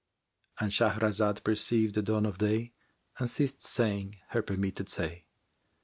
"—And Shahrazad perceived the dawn of day and ceased saying her permitted say.